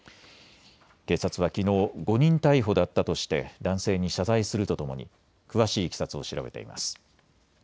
警察はきのう誤認逮捕だったとして男性に謝罪するとともに詳しいいきさつを調べています。